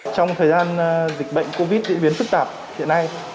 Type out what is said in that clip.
trong thời gian dịch bệnh covid diễn biến phức tạp hiện nay